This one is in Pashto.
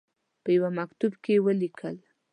په یوه مکتوب کې ولیکل.